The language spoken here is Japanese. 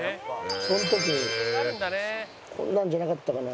その時こんなんじゃなかったかな？